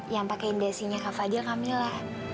yang pakai dasinya kak fadil kak mila